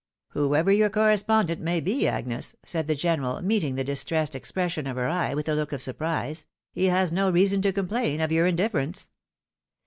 " Whoever your correspondent may be, Agnes," said the general, meeting the distressed expression of her eye with a look of surprise, "he has no reason to complain of your in difference."